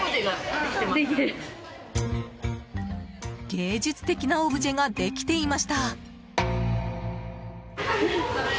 芸術的なオブジェができていました。